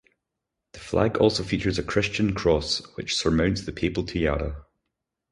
The flag also features a Christian cross, which surmounts the Papal Tiara.